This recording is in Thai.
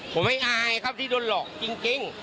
ผมไม่อายครับที่โดนหลอกจริง